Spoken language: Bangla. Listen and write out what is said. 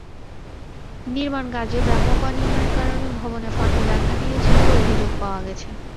নির্মাণকাজে ব্যাপক অনিয়মের কারণে ভবনে ফাটল দেখা দিয়েছে বলে অভিযোগ পাওয়া গেছে।